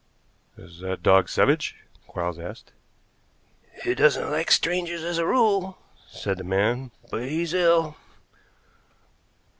"Is that dog savage?" Quarles asked. "He doesn't like strangers, as a rule," said the man, "but he's ill."